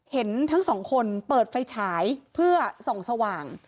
เห็นทั้งสองคนเปิดไฟฉายเพื่อส่องสว่าง